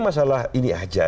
masalah ini saja